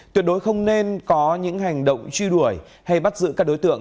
tuyệt đối không nên có những hành động truy đuổi hay bắt giữ các đối tượng